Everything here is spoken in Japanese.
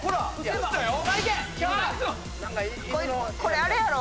これあれやろ。